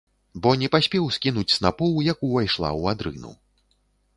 Бо не паспеў скінуць снапоў, як увайшла ў адрыну.